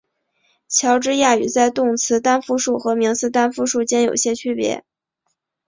乔治亚语在动词单复数和名词单复数间有些区别。